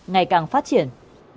ngày càng phát triển